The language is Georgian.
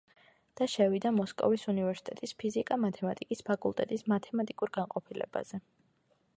და შევიდა მოსკოვის უნივერსიტეტის ფიზიკა-მათემატიკის ფაკულტეტის მათემატიკურ განყოფილებაზე.